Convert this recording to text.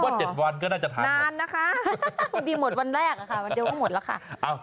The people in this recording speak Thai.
เพราะว่า๗วันก็น่าจะทานหมดนานนะคะมันดีหมดวันแรกค่ะมันเดี๋ยวว่าหมดละค่ะ